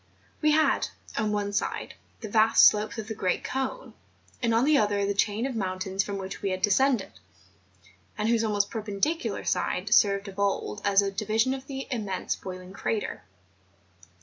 We had, on one side, the vast slopes of the great cone, and on the other the chain of mountains from which we had descended, and whose almost perpendicular side served of old as a division to the immense boiling crater.